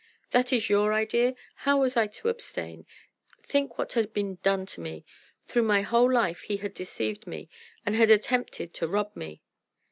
"That is your idea? How was I to abstain? Think what had been done to me. Through my whole life he had deceived me, and had attempted to rob me."